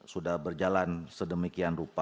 sudah berjalan sedemikian rupa